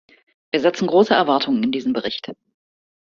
Wir setzen große Erwartungen in diesen Bericht.